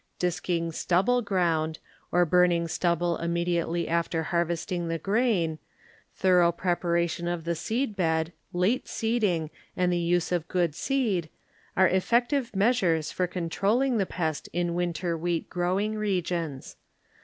Disking stubble ground, or burning stubble immediately after harvesting the grain, thorough preparation" of the seed bed, late seeding and the use of good seed, are effective measures for controll ing the pest in winter wheat growing regions.